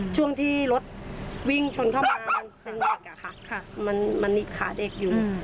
ช่วงที่รถวิ่งชนเข้ามามันหนิดขาดเอกอยู่